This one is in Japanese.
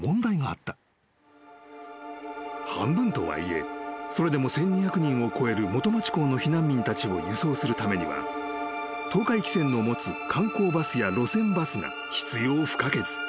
［半分とはいえそれでも１，２００人を超える元町港の避難民たちを輸送するためには東海汽船の持つ観光バスや路線バスが必要不可欠］